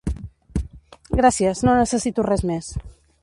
Gràcies, no necessito res més.